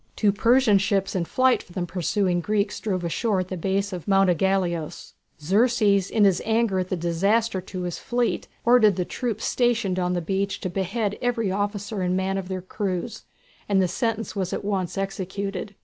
Two Persian ships in flight from the pursuing Greeks drove ashore at the base of Mount Ægaleos. Xerxes, in his anger at the disaster to his fleet, ordered the troops stationed on the beach to behead every officer and man of their crews, and the sentence was at once executed.